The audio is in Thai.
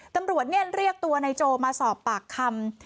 ตำรวจเนี่ยนเรียกตัวในโจมาสอบปากคำ